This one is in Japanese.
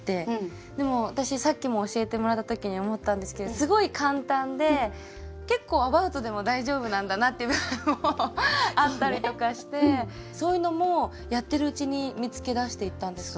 でも私さっきも教えてもらった時に思ったんですけどすごい簡単で結構アバウトでも大丈夫なんだなって部分もあったりとかしてそういうのもやってるうちに見つけ出していったんですか？